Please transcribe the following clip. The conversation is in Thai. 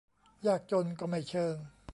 ยากจนก็ไม่เชิง